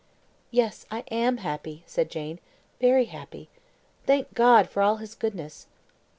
"Yes, I am happy," said Jane, "very happy. Thank God for all his goodness."